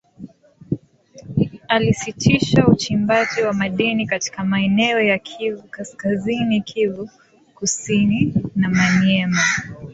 alisitisha uchimbaji wa madini katika maeneo ya kivu kaskazini kivu kusini na maniema